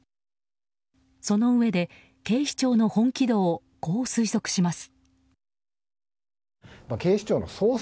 そのうえで、警視庁の本気度をこう推測します。